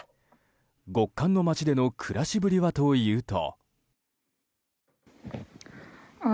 極寒の街での暮らしぶりはというと。